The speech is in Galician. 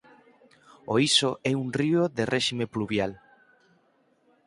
O Iso é un un río de réxime pluvial.